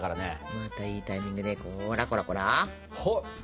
またいいタイミングでほらほらほら。